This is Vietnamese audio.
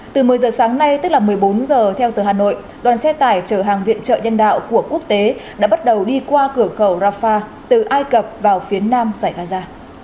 từ một mươi giờ sáng nay tức là một mươi bốn giờ theo giờ hà nội đoàn xe tải chở hàng viện trợ nhân đạo của quốc tế đã bắt đầu đi qua cửa khẩu rafah từ ai cập vào phía nam giải gaza